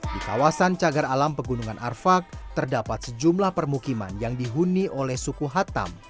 di kawasan cagar alam pegunungan arfak terdapat sejumlah permukiman yang dihuni oleh suku hatam